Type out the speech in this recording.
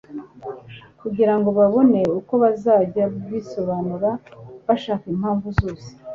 Kugira ngo babone uko bazajya bisobanura bashaka impamvu zose